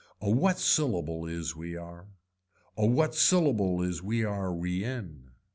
A wet syllable is we are, a wet syllable is we are we in.